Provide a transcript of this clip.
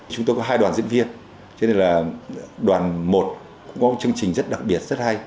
chúng tôi có hai đoàn diễn viên cho nên là đoàn một cũng có một chương trình rất đặc biệt rất hay